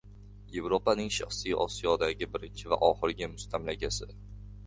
Yevropaning Sharqiy Osiyodagi birinchi va oxirgi mustamlakasi